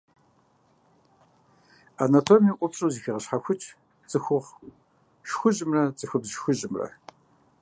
Анатомием ӏупщӏу зэхегъэщхьэхукӏ цӏыхухъу шхужьымрэ цӏыхубз шхужьымрэ.